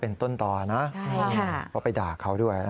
เพราะไปด่าเขาด้วย